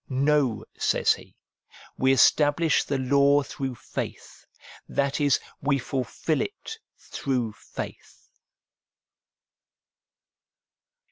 No, says he, ' we establish the law through faith,' that is, we fulfil it through faith.